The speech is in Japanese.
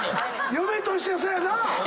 嫁としてはそうやな。